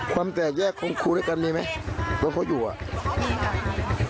ความแตกแยกของครูด้วยกันมีไหมเพราะเขาอยู่อ่ะนี่ค่ะ